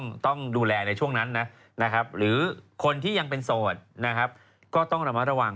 ก็ต้องดูแลในช่วงนั้นนะหรือคนที่ยังเป็นโสดก็ต้องระมัดระวัง